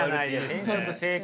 転職成功。